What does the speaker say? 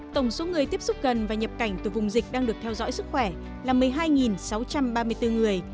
tổng số người tiếp xúc gần và nhập cảnh từ vùng dịch đang được theo dõi sức khỏe là một mươi hai sáu trăm ba mươi bốn người